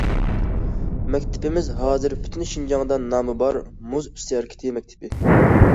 مەكتىپىمىز ھازىر پۈتۈن شىنجاڭدا نامى بار‹‹ مۇز ئۈستى ھەرىكىتى مەكتىپى››.